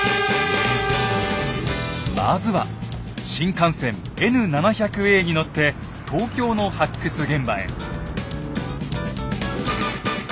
まずは新幹線Ｎ７００Ａに乗って東京の発掘現場へ。